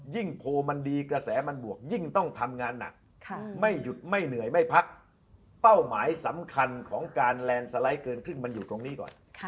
โพลมันดีกระแสมันบวกยิ่งต้องทำงานหนักไม่หยุดไม่เหนื่อยไม่พักเป้าหมายสำคัญของการแลนด์สไลด์เกินครึ่งมันอยู่ตรงนี้ก่อน